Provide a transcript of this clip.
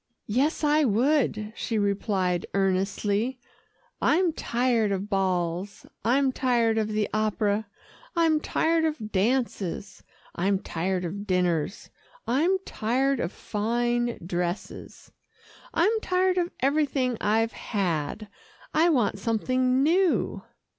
"Yes, I would," she replied earnestly, "I'm tired of balls, I'm tired of the opera, I'm tired of dances, I'm tired of dinners, I'm tired of fine dresses I'm tired of everything I've had. I want something new."